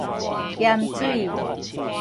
鹹水